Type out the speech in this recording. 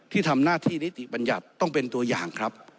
ที่ทำหน้าที่นิติบัญญัติต้องเป็นตัวอย่างครับ